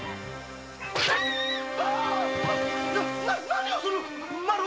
何をする！